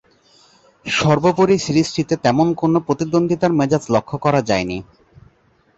সর্বোপরি সিরিজটিতে তেমন কোন প্রতিদ্বন্দ্বিতার মেজাজ লক্ষ্য করা যায়নি।